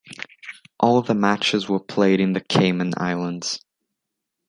All the matches were played in the Cayman Islands.